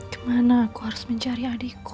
gimana aku harus mencari adikku